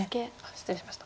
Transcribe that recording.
失礼しました。